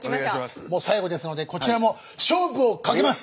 もう最後ですのでこちらも勝負をかけます。